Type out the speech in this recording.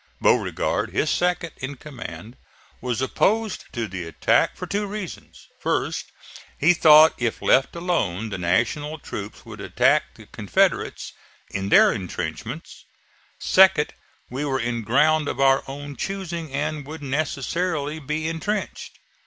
Beauregard, his second in command, was opposed to the attack for two reasons: first, he thought, if let alone the National troops would attack the Confederates in their intrenchments; second, we were in ground of our own choosing and would necessarily be intrenched.